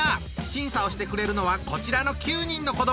審査をしてくれるのはこちらの９人の子どもたち。